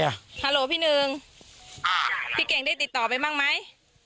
ฮัลโหลพี่หนึ่งพี่เก่งได้ติดต่อไปบ้างไหม